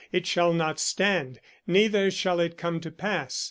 It shall not stand, neither shall it come to pass.